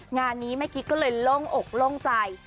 งานนี้แม่กิ๊กก็เลยโล่งอกโล่งใจ